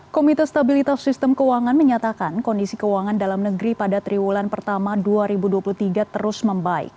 komite stabilitas sistem keuangan menyatakan kondisi keuangan dalam negeri pada triwulan pertama dua ribu dua puluh tiga terus membaik